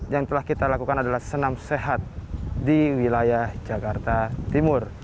yang telah kita lakukan adalah senam sehat di wilayah jakarta timur